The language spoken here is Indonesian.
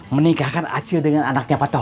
menikahkan acio dengan anaknya patohan